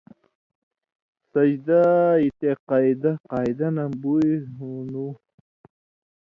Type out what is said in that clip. سجدہ یی تے قَیدہ (قاعِدہ) نہ بُی ہون٘دُوں،